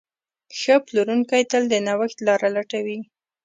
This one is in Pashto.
ښه پلورونکی تل د نوښت لاره لټوي.